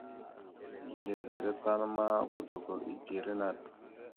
Izleveré tan ma godogo idzeré naɗ.